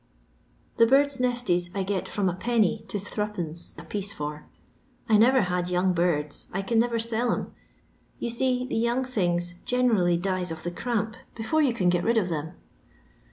The birds' nesties I get from Id. to 3(/. a piece for. I never have young birds, I can never sell 'em ; you see the young things generally dies of the cramp before you can get rid of them.